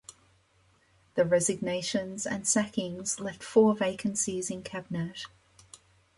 The resignations and sackings left four vacancies in cabinet.